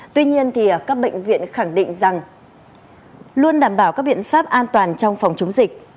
tuy nhiên thì các bệnh viện khẳng định rằng luôn đảm bảo các biện pháp an toàn trong phòng chống dịch